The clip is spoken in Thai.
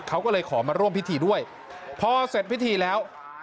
เขาก็เลยขอมาร่วมพิธีด้วยพอเสร็จพิธีแล้ว